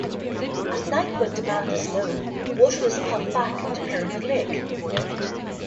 At night, when demand is low, water is pumped back into Pyramid Lake.